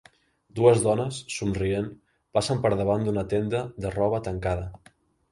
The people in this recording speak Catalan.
dues dones, somrient, passen per davant d'una tenda de roba tancada.